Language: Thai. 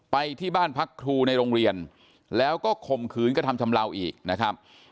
ไปที่บ้านพักครูในโรงเรียนแล้วก็ข่มขืนกระทำชำลาวอีกนะครับ